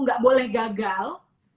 gak boleh gagal